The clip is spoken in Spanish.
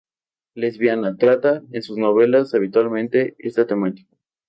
Lesbiana, trata en sus novelas habitualmente esta temática.